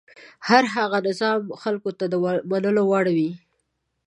هر هغه نظام خلکو ته د منلو وړ وي.